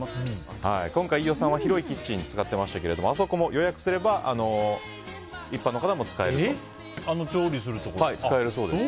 今回、飯尾さんは広いキッチンを使っていましたがあそこも予約すれば一般の方も使えるそうです。